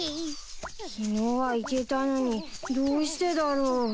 昨日は行けたのにどうしてだろう。